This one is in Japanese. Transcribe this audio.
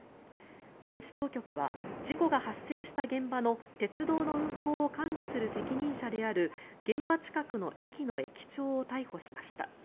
現地当局は事故が発生した現場の鉄道の運行を管理する責任者である現場近くの駅の駅長を逮捕しました。